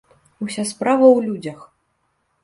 Уся справа ў людзях!